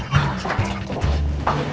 jangan lagi aja